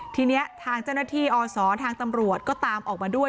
ทีนี้ทางเจ้าหน้าที่อศทางตำรวจก็ตามออกมาด้วย